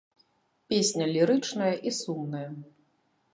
Песня лірычная і сумная.